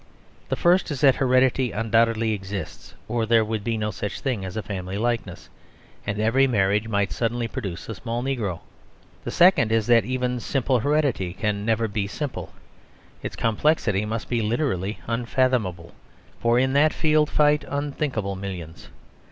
The first is that heredity undoubtedly exists, or there would be no such thing as a family likeness, and every marriage might suddenly produce a small negro. The second is that even simple heredity can never be simple; its complexity must be literally unfathomable, for in that field fight unthinkable millions.